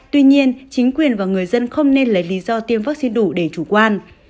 tuy nhiên chính quyền và người dân không nên lấy lý do tiêm vaccine đủ để chủ quan